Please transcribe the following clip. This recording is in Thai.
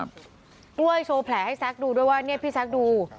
กล้วยโชว์แผลให้ซักดูด้วยว่านี่พี่ซักดู